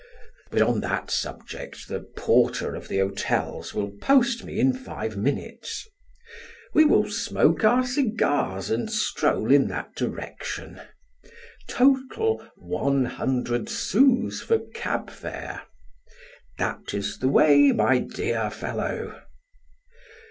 But on that subject the porter of the hotels will post me in five minutes. We will smoke our cigars and stroll in that direction. Total one hundred sous for cabfare. That is the way, my dear fellow."